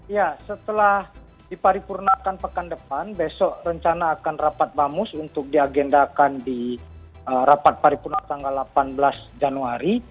ya setelah diparipurnakan pekan depan besok rencana akan rapat bamus untuk diagendakan di rapat paripurna tanggal delapan belas januari